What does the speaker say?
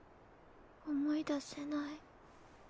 思い出せない。